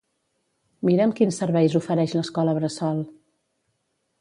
Mira'm quins serveis ofereix l'escola bressol.